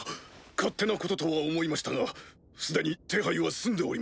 勝手なこととは思いましたが既に手配は済んでおります。